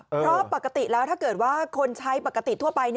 เพราะปกติแล้วถ้าเกิดว่าคนใช้ปกติทั่วไป